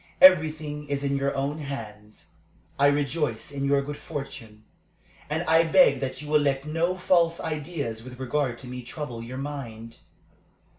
Everything is in your own hands. I rejoice in your good fortune, and I beg that you will let no false ideas with regard to me trouble your mind.